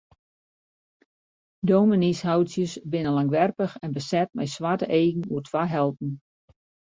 Dominyshoutsjes binne langwerpich en beset mei swarte eagen oer twa helten.